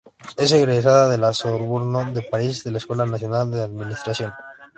Es egresada de La Sorbonne de París de la Escuela Nacional de Administración.